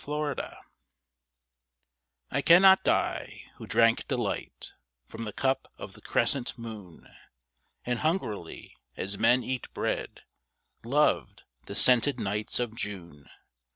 The Wine I cannot die, who drank delight From the cup of the crescent moon, And hungrily as men eat bread, Loved the scented nights of June.